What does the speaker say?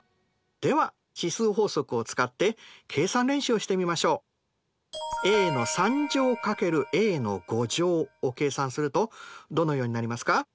では指数法則を使って計算練習をしてみましょう。を計算するとどのようになりますか？